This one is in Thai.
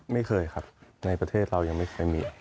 ไม่เคยครับในประเทศเรายังไม่เคยมี